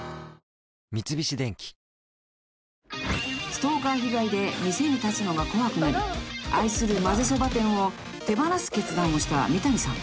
［ストーカー被害で店に立つのが怖くなり愛するまぜそば店を手放す決断をした美谷さん］